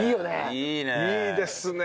いいですね。